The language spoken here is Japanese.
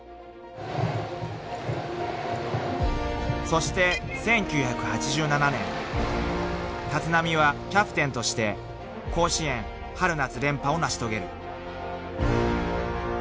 ［そして１９８７年立浪はキャプテンとして甲子園春夏連覇を成し遂げる］